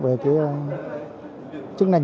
về cái chức năng